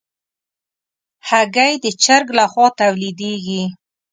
هګۍ د چرګ له خوا تولیدېږي.